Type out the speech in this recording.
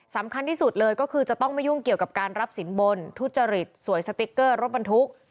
สำคัญที่สุดเลยก็คือจะต้องไม่ยุ่งเกี่ยวกับการรับสินบนทุจริตสวยสติ๊กเกอร์รถบรรทุก